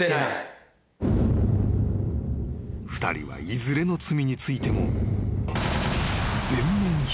［２人はいずれの罪についても］